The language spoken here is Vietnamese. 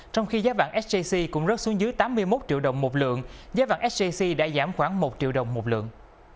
trong khi giá vàng sjc cũng rớt xuống dưới tám mươi một triệu đồng một lượng giá vàng sjc đã giảm khoảng một triệu đồng một lượng